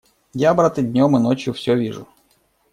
Я, брат, и днем и ночью все вижу.